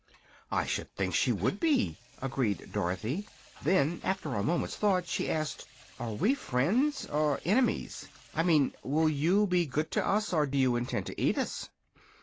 "I should think she would be," agreed Dorothy. Then, after a moment's thought, she asked: "Are we friends or enemies? I mean, will you be good to us, or do you intend to eat us?"